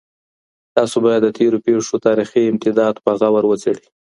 تاسو بايد د تېرو پېښو تاريخي امتداد په غور وڅېړئ.